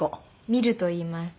ミルといいます。